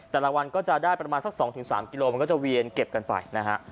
แต่ละวันก็จะได้ประมาณสัก๒๓กิโลมันก็จะเวียนเก็บกันไปนะฮะ